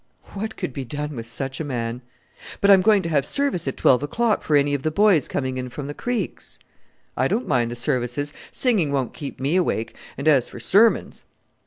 What could be done with such a man? "But I'm going to have service at twelve o'clock for any of the boys coming in from the creeks." "I don't mind the services: singing won't keep me awake; and as for sermons!..."